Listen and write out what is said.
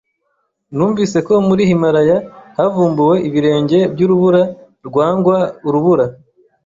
Numvise ko muri Himalaya havumbuwe ibirenge byurubura rwangwa urubura